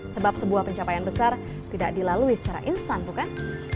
sebab sebuah pencapaian besar tidak dilalui secara instan bukan